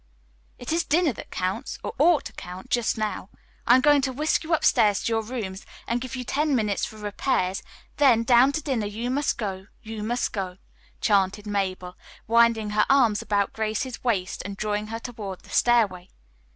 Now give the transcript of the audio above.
"It is dinner that counts, or ought to count, just now. I am going to whisk you upstairs to your rooms, and give you ten minutes for repairs, then, 'down to dinner you must go, you must go,'" chanted Mabel, winding her arm about Grace's waist and drawing her toward the stairway.